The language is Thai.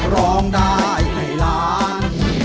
ร้องได้ให้ล้าน